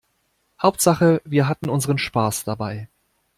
Hauptsache wir hatten unseren Spaß dabei.